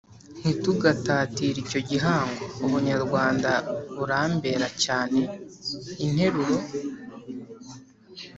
ntitugatatire icyo gihango ubunyarwanda burambera cyane interuro